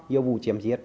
nhiều vụ chiếm diệt